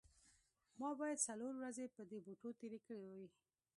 ما باید څلور ورځې په دې بوټو تیرې کړې وي